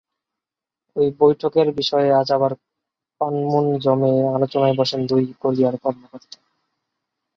ওই বৈঠকের বিষয়ে আজ আবার পানমুনজমে আলোচনায় বসেন দুই কোরিয়ার কর্মকর্তারা।